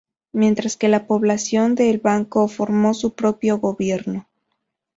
Mientras que la población de El Banco formó su propio gobierno.